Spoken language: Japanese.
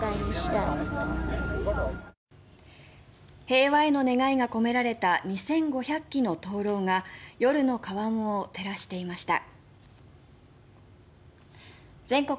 平和への願いが込められた２５００基の灯ろうが夜の川面を照らしていました。